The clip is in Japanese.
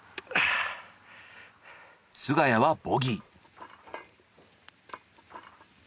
菅谷はボギー。